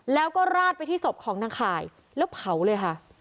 แล้วก็ราดไปที่ศพของนางข่ายแล้วเผาเลยค่ะ